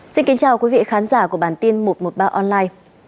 xin kính chào quý vị khán giả của bản tin một trăm một mươi ba online